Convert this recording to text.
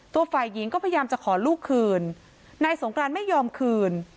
ฝ่ายหญิงก็พยายามจะขอลูกคืนนายสงกรานไม่ยอมคืน